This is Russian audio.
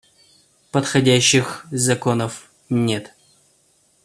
Подходящих законов нет.